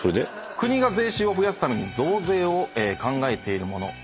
国が税収を増やすために増税を考えてるもの